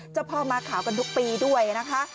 เจ้าพ่อมาขาวกันทุกปีด้วยนะคะ